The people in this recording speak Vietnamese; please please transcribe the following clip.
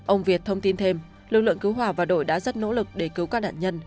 ông việt thông tin thêm lực lượng cứu hỏa và đội đã rất nỗ lực để cứu các nạn nhân